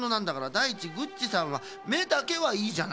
だいいちグッチさんはめだけはいいじゃないの。